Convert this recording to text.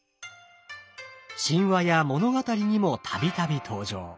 神話や物語にも度々登場。